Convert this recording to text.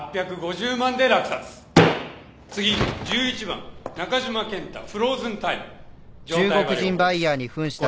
次１１番中島健太『フローズンタイム』状態は良好です。